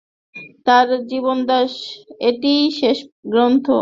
তাঁর জীবদ্দশায় এটিই শেষ গ্রন্থ।